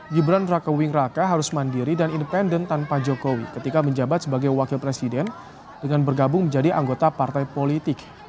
gibran raka wing raka harus mandiri dan independen tanpa jokowi ketika menjabat sebagai wakil presiden dengan bergabung menjadi anggota partai politik